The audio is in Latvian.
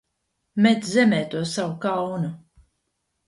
Met zemē to savu kaunu!